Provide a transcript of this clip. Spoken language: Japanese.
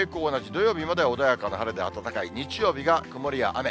土曜日までは穏やかな晴れで暖かく、日曜日が曇りや雨。